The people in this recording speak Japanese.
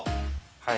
はい。